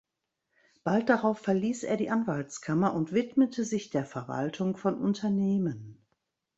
Bald darauf verließ er die Anwaltskammer und widmete sich der Verwaltung von Unternehmen.